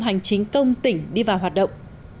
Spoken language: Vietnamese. hành chính công tỉnh đi vào hoạt động